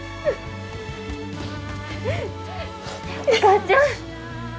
お母ちゃん！